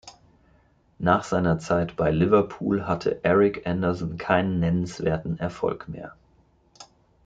Nach seiner Zeit bei Liverpool hatte Eric Anderson keinen nennenswerten Erfolg mehr.